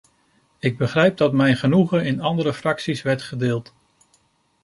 Ik begrijp dat mijn genoegen in andere fracties werd gedeeld.